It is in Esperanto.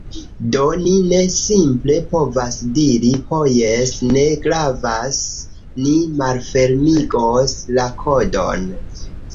Do, ni ne simple povas diri, "Ho jes, ne gravas... ni malfermigos la kodon"